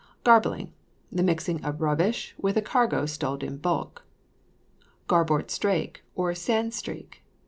GARBLING. The mixing of rubbish with a cargo stowed in bulk. GARBOARD STRAKE, OR SAND STREAK.